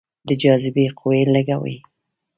د جاذبې قوه لږه وي.